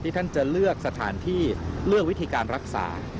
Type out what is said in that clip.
ท่านจะเลือกสถานที่เลือกวิธีการรักษา